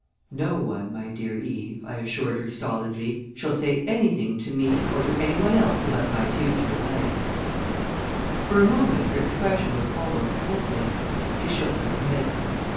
"No one, my dear Eve," I assured her stolidly, "shall say anything to me or to any one else about my future wife." For a moment her expression was almost hopeless. She shook her head.